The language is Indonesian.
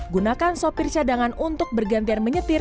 gunakan sopir cadangan untuk bergantian menyelenggara